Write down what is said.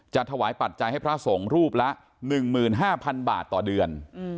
ถวายปัจจัยให้พระสงฆ์รูปละ๑๕๐๐๐บาทต่อเดือน